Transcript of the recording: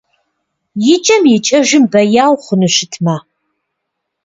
Икӏэм-икӏэжым бэяу, хъуну щытмэ!